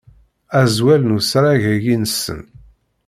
Azwel n usarag-agi-nsen.